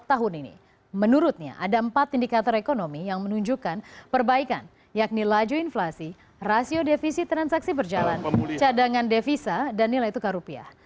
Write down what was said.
tahun ini menurutnya ada empat indikator ekonomi yang menunjukkan perbaikan yakni laju inflasi rasio defisi transaksi berjalan cadangan devisa dan nilai tukar rupiah